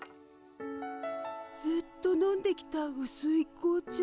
ずっと飲んできたうすい紅茶。